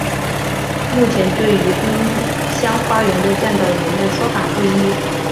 目前对于丁香花园的建造年代说法不一。